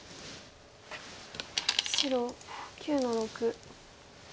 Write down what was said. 白９の六。